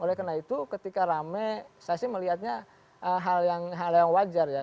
oleh karena itu ketika rame saya sih melihatnya hal yang wajar ya